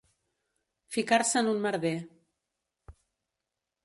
Ficar-se en un merder.